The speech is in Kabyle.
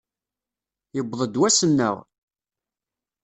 Yewweḍ-d wass-nneɣ!